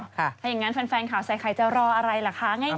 ถ้าอย่างนั้นแฟนข่าวใส่ไข่จะรออะไรล่ะคะ